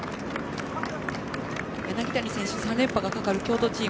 柳谷選手３連覇がかかる京都チーム